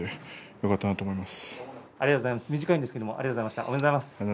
よかったなと思います。